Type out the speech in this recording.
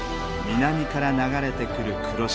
南から流れてくる黒潮。